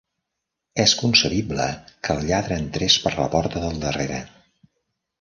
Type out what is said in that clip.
És concebible que el lladre entrés per la porta del darrere.